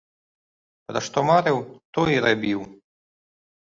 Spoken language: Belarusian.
Пра што марыў, то і рабіў.